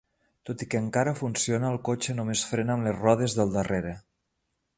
Tot i que encara funciona, el cotxe només frena amb les rodes del darrere.